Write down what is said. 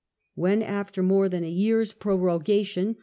When, after more than a year's prorogation.